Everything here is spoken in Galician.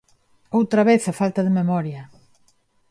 ¡Outra vez a falta de memoria!